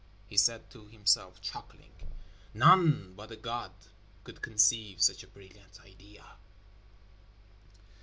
he said to himself, chuckling. "None but a god could conceive such a brilliant idea."